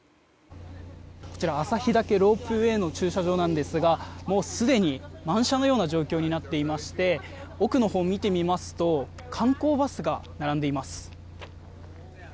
こちら旭川ロープウェイの駐車場なんですがすでに満車のような状況になっていまして奥のほうを見てみますと観光バスが並んでいます。